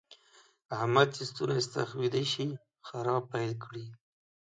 احمد چې ستونی ستخ ويده شي؛ خرا پيل کړي.